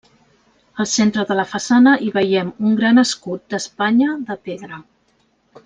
Al centre de la façana hi veiem un gran escut d'Espanya de pedra.